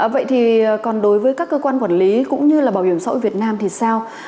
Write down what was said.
vậy thì còn đối với các cơ quan quản lý cũng như là bảo hiểm xã hội việt nam thì sao